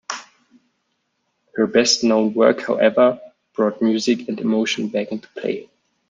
Her best known work however, brought music and emotion back into play.